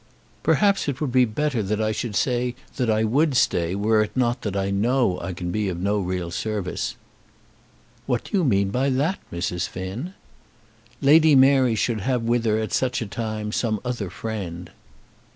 "Perhaps it would be better that I should say that I would stay were it not that I know that I can be of no real service." "What do you mean by that, Mrs. Finn?" "Lady Mary should have with her at such a time some other friend."